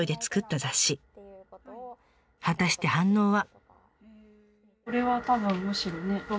果たして反応は。